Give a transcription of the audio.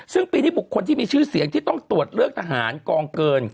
ซึ่งปีนี้บุคคลที่มีชื่อเสียงที่ต้องตรวจเลือกทหารกองเกิน